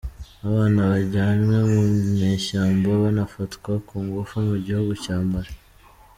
Abana bajyanywe mu nyeshyamba banafatwa ku ngufu Mugihugu Cya Mali